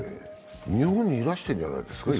日本にいらしているんじゃないですか？